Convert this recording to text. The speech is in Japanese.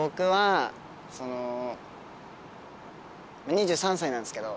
２３歳なんですけど。